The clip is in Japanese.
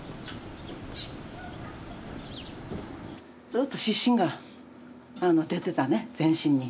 ずっと湿疹が出てたね全身に。